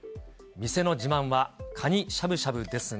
店の自慢はカニしゃぶしゃぶですが。